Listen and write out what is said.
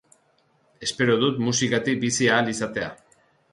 Espero du musikatik bizi ahal izatea.